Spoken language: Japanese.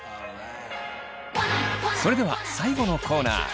それでは最後のコーナー。